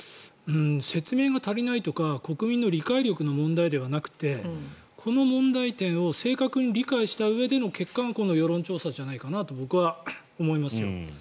説明が足りないとか国民の理解力の問題ではなくてこの問題点を正確に理解したうえでの結果がこの世論調査じゃないかと僕は思いますよ。